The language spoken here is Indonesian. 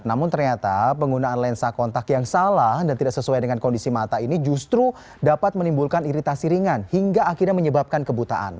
namun ternyata penggunaan lensa kontak yang salah dan tidak sesuai dengan kondisi mata ini justru dapat menimbulkan iritasi ringan hingga akhirnya menyebabkan kebutaan